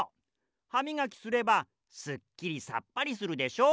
ハミガキすればすっきりさっぱりするでしょう？